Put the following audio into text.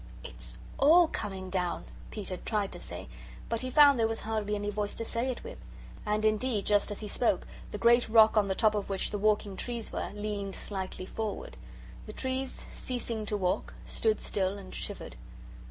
"It's ALL coming down," Peter tried to say, but he found there was hardly any voice to say it with. And, indeed, just as he spoke, the great rock, on the top of which the walking trees were, leaned slowly forward. The trees, ceasing to walk, stood still and shivered.